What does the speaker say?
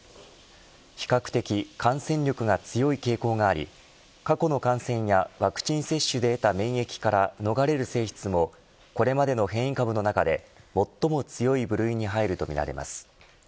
比較的感染力が強い傾向があり過去の感染やワクチン接種で得た免疫から逃れる性質もこれまでの変異株の中で最も強い部類に入るとみられます。